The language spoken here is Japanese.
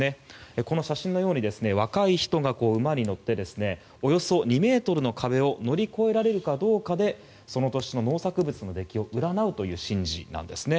この写真のように若い人が馬に乗っておよそ２ｍの壁を乗り越えられるかどうかでその年の農作物の出来を占うという神事なんです。